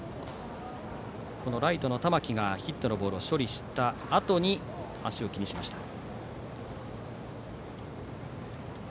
ライトの玉木がヒットのボールを処理したあとに足を気にしました。